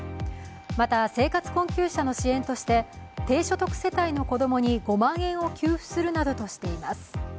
また、生活困窮者の支援として低所得世帯の子供に５万円を給付するなどとしています